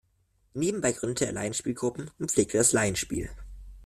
Nebenbei gründete er Laienspielgruppen und pflegte das Laienspiel.